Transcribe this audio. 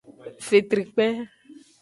Fetrikpe.